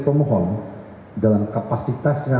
pemohon dalam kapasitasnya